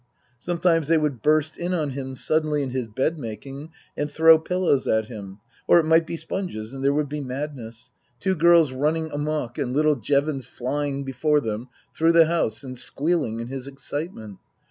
Sometimes they would burst in on him suddenly in his bedmaking and throw pillows at him, or it might be sponges, and there would be madness : two girls running Book II : Her Book 143 amok and little Jevons flying before them through the house and squealing in his excitement.